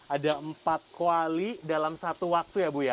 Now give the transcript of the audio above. ada empat kuali dalam satu waktu ya bu ya